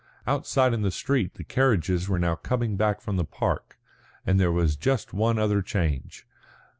Outside in the street the carriages were now coming back from the park, and there was just one other change.